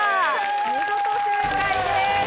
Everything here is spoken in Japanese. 見事正解です